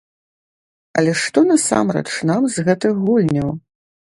Але што насамрэч нам з гэтых гульняў?